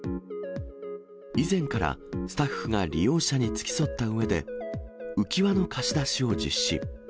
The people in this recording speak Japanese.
以前から、スタッフが利用者に付き添ったうえで、浮き輪の貸し出しを実施。